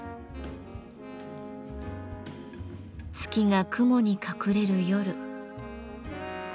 月が雲に隠れる夜。